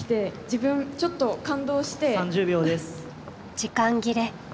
時間切れ。